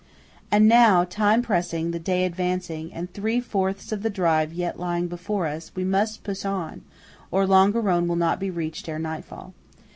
And now, time pressing, the day advancing, and three fourths of the drive yet lying before us, we must push on, or Longarone will not be reached ere nightfall.